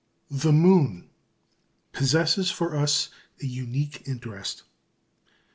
The moon possesses for us a unique interest.